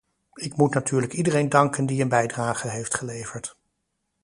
Ik moet natuurlijk iedereen danken die een bijdrage heeft geleverd.